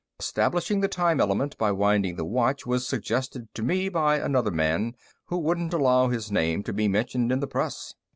Establishing the time element by winding the watch was suggested to me by another man, who wouldn't allow his name to be mentioned in the press."